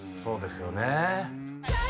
そうですよね。